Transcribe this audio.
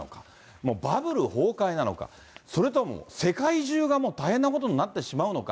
もうバブル崩壊なのか、それとも世界中がもう大変なことになってしまうのか。